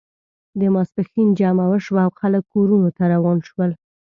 د ماسپښین جمعه وشوه او خلک کورونو ته روان شول.